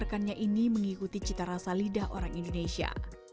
rekannya ini mengikuti cita rasa lidah orang indonesia